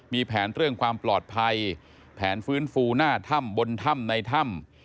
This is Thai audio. มีแผนเรื่องความปลอดภัยแผนฟื้นฟูหน้าถ้ำบนถ้ำในถ้ำ